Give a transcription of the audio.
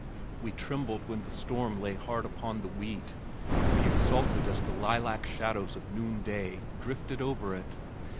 We trembled when the storm lay hard upon the wheat, we exulted as the lilac shadows of noon day drifted over it!